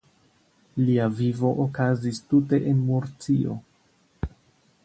Lia vivo okazis tute en Murcio.